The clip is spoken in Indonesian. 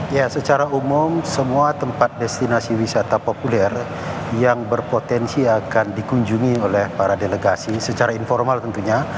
ya secara umum semua tempat destinasi wisata populer yang berpotensi akan dikunjungi oleh para delegasi secara informal tentunya